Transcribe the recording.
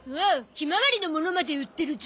ひまわりのものまで売ってるゾ。